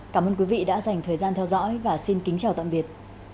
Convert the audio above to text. cảm ơn quý vị đã dành thời gian theo dõi và xin kính chào tạm biệt